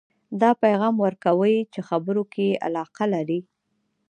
دا پیغام ورکوئ چې خبرو کې یې علاقه لرئ